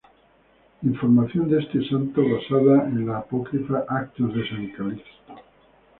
Información de este santo basada en la apócrifa "Actos de San Calixto".